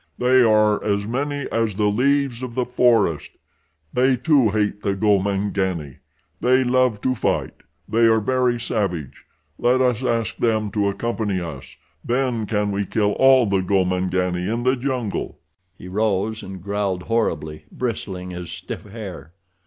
"They are as many as the leaves of the forest. They, too, hate the Gomangani. They love to fight. They are very savage. Let us ask them to accompany us. Then can we kill all the Gomangani in the jungle." He rose and growled horribly, bristling his stiff hair.